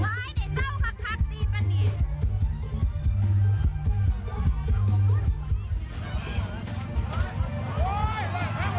เอาเป็นยังเอามันเห็ดมันเห็ดยังบ้างคัน